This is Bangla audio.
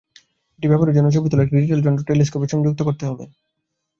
এটি ব্যবহারের জন্য ছবি তোলার একটি ডিজিটাল যন্ত্র টেলিস্কোপে সংযুক্ত করতে হবে।